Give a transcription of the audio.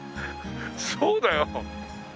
そうだよ！